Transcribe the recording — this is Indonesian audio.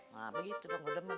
gak begitu dong gua demen